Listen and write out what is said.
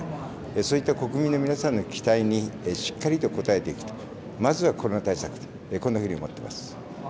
そういった国民の皆さんの期待にしっかりと応えていく、まずはコロナ対策、こんなふうに思っています。